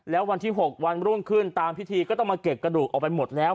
แล้ววันที่๖วันรุ่งขึ้นตามพิธีก็ต้องมาเก็บกระดูกออกไปหมดแล้ว